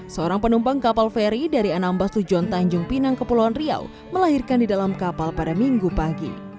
seorang penumpang kapal feri dari anambas tujuan tanjung pinang kepulauan riau melahirkan di dalam kapal pada minggu pagi